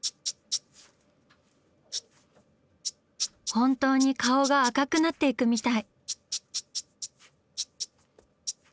本当に顔が赤くなっていくみたい！